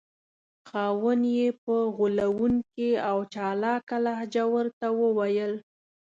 خاوند یې په غولونکې او چالاکه لهجه ورته وویل.